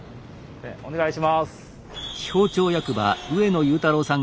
お願いします。